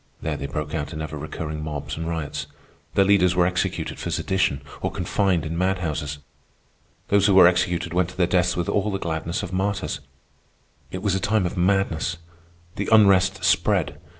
There they broke out in ever recurring mobs and riots. Their leaders were executed for sedition or confined in madhouses. Those who were executed went to their deaths with all the gladness of martyrs. It was a time of madness. The unrest spread.